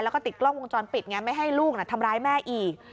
แล้วก็ติดกล้องวงจรปิดไงไม่ให้ลูกทำร้ายแม่อีก